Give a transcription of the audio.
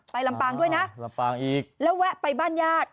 ไปลำป้างด้วยนะแล้วแวะไปบ้านญาติ